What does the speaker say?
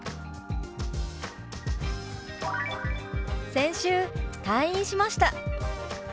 「先週退院しました」。